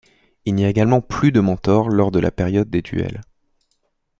Il n'y a également plus de mentors lors de la période des duels.